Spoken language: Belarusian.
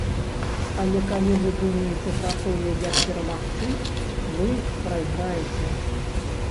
Але калі вы думаеце пра тое, як перамагчы, вы прайграеце.